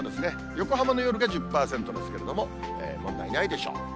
横浜の夜が１０％ですけれども、問題ないでしょう。